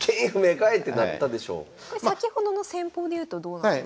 これ先ほどの戦法でいうとどうなんですか？